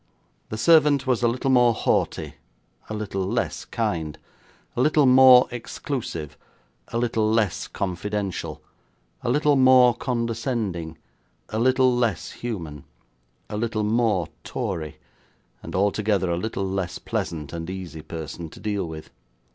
The servant was a little more haughty, a little less kind, a little more exclusive, a little less confidential, a little more condescending, a little less human, a little more Tory, and altogether a little less pleasant and easy person to deal with.